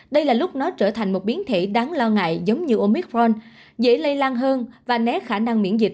đây là lúc nó trở thành một biến thể đáng lo ngại giống như omitforn dễ lây lan hơn và né khả năng miễn dịch